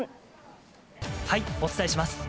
お伝えします。